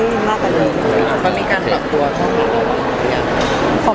พี่เอ๊ยฮะพี่เอ๊ยฮะ